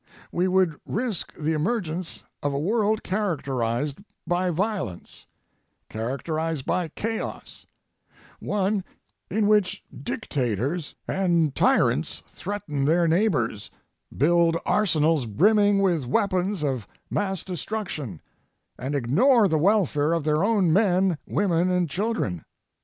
We would risk the emergence of a world characterized by violence, characterized by chaos, one in which dictators and tyrants threaten their neighbors, build arsenals brimming with weapons of mass destruction, and ignore the welfare of their own men, women, and children.